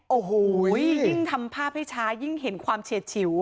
โอ้โหยิ่งทำภาพให้ช้ายิ่งเห็นความเฉียดฉิว